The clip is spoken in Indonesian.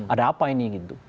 ada apa ini gitu